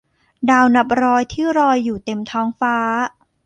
ดาวนับร้อยที่ลอยอยู่เต็มท้องฟ้า